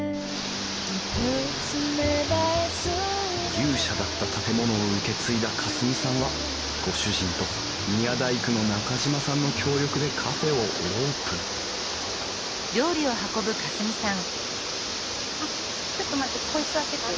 「牛舎だった建物を受け継いだ夏澄さんはご主人と宮大工の中島さんの協力でカフェをオープン」とここに座ってて。